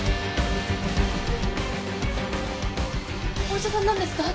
お医者さんなんですか？